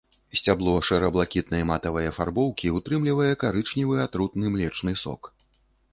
Сцябло шэра-блакітнай матавай афарбоўкі ўтрымлівае карычневы атрутны млечны сок.